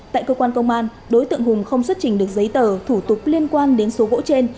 tại cơ quan công an đối tượng hùng không xuất trình được giấy tờ thủ tục liên quan đến số gỗ trên